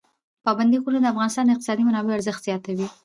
پابندی غرونه د افغانستان د اقتصادي منابعو ارزښت زیاتوي.